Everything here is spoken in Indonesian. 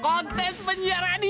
konteks menyiar radio